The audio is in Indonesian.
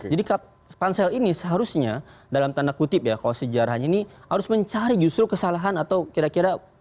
jadi pansel ini seharusnya dalam tanda kutip ya kalau sejarahnya ini harus mencari justru kesalahan atau kira kira